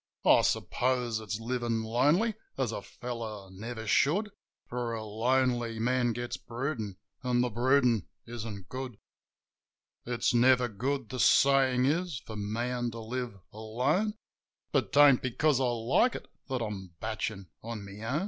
I suppose it's livin' lonely, as a fellow never should; For a lonely man gets broodin', an' the broodin' isn't good. It's never good, the sayin' is, for man to live alone. But 'tain't because I like it that I'm batchin' on my own.